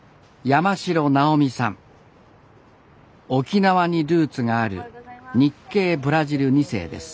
沖縄にルーツがある日系ブラジル２世です。